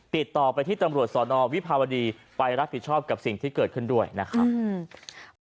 ติดต่อไปที่ตำรวจสอนอวิภาวดีไปรับผิดชอบกับสิ่งที่เกิดขึ้นด้วยนะครับ